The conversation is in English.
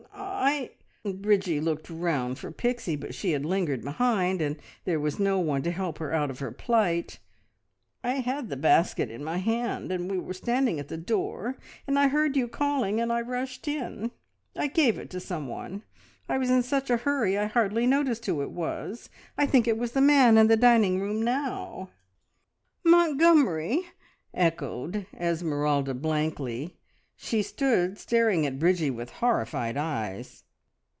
"I I " Bridgie looked round for Pixie, but she had lingered behind, and there was no one to help her out of her plight. "I had the basket in my hand, and we were standing at the door, and I heard you calling and I rushed in. I gave it to someone. I was in such a hurry I hardly noticed who it was. I think it was the man in the dining room now!" "Montgomery!" echoed Esmeralda blankly. She stood staring at Bridgie with horrified eyes.